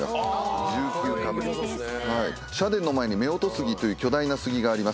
社殿の前に夫婦杉という巨大な杉があります。